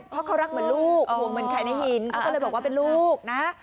เพราะเขารักเหมือนลูกห่วงเหมือนไข่ในหินเขาก็เลยบอกว่าเป็นลูกนะ